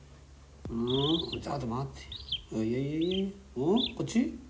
うんこっち？